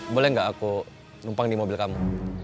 boleh nggak aku numpang di mobil kamu